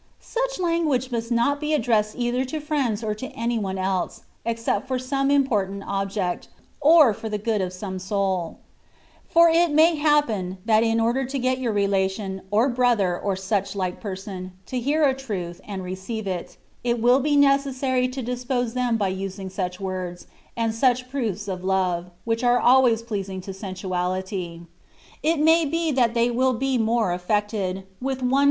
'' Such language must not be addressed either to friends or to any one else, except for some important object, or for the good of some soul; for it may happen, that in order to get your relation, or brother, or such like person, to hear a truth and receive it, it will be necessary to dispose them by using such words, and such proofs of love, which are always pleasing to sensuality : it may be that they will be more affected " with one ' No 68 ja tiempo, Hermanas, de huego de Nifloe," kc. \ 102 THE WAY OP PERFECTION.